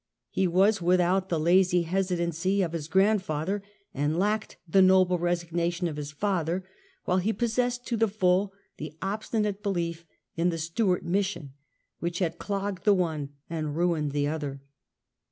He was without the lazy actcr and hesitancy of his grandfather, and lacked the aims. noble resignation of his father, while he possessed to the full the obstinate belief in the Stewart mission, which had clogged the one and ruined the other.